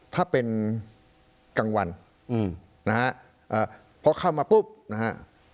ถ้าเป็นกลางวันนะฮะพอเข้ามาปุ๊บนะฮะ